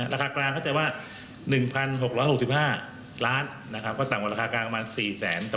ราคากลาง๑๖๖๕ล้านบาทต่างกว่าราคากลางกระมาน๔แสนบาท